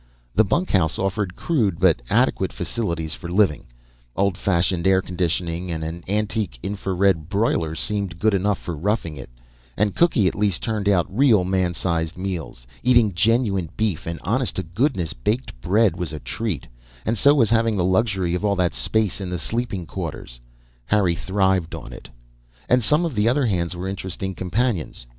The bunkhouse offered crude but adequate facilities for living; old fashioned air conditioning and an antique infra red broiler seemed good enough for roughing it, and Cookie at least turned out real man sized meals. Eating genuine beef and honest to goodness baked bread was a treat, and so was having the luxury of all that space in the sleeping quarters. Harry thrived on it. And some of the other hands were interesting companions.